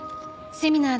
セミナー？